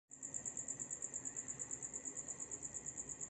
Ĝi ebligas seminariojn, trejnadon, konferencojn kaj diversajn aranĝojn.